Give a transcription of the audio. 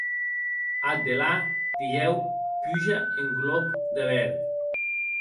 Ath delà, dilhèu puja en glòb de Berg.